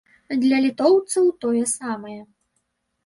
Для літоўцаў тое самае.